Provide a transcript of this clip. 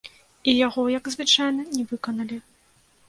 І яго, як звычайна, не выканалі.